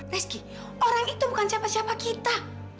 reski orang itu bukan siapa siapa kita